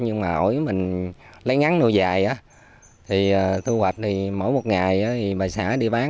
nhưng mà hồi mình lấy ngắn nuôi dài thì thu hoạch thì mỗi một ngày bà xã đi bán